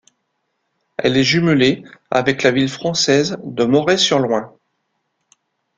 Elle est jumelée avec la ville française de Moret-sur-Loing.